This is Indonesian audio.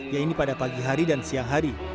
yaitu pada pagi hari dan siang hari